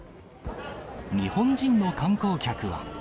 日本人の観光客は。